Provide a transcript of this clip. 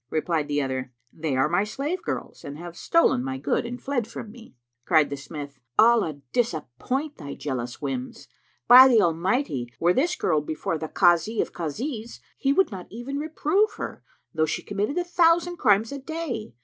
Replied the other, "They are my slave girls, and have stolen my good and fled from me." Cried the smith, "Allah disappoint thy jealous whims! By the Almighty, were this girl before the Kazi of Kazis,[FN#359] he would not even reprove her, though she committed a thousand crimes a day.